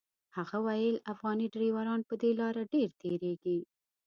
هغه ویل افغاني ډریوران په دې لاره ډېر تېرېږي.